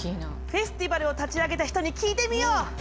フェスティバルを立ち上げた人に聞いてみよう！